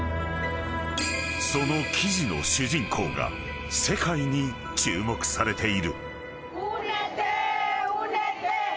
［その記事の主人公が世界に注目されている］